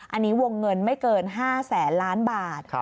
อันนี้วงเงินไม่เกิน๕แสนล้านบาท